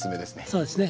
そうですね。